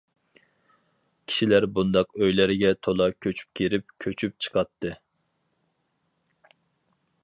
كىشىلەر بۇنداق ئۆيلەرگە تولا كۆچۈپ كىرىپ، كۆچۈپ چىقاتتى.